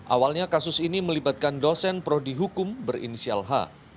awalnya kasus ini melibatkan dosen prodi hukum berinisial h